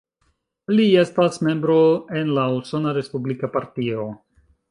Li estas membro en la Usona respublika Partio.